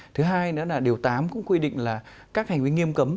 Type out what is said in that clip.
thứ hai nữa là điều tám cũng quy định là các hành vi nghiêm cấm